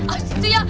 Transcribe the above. ah situ ya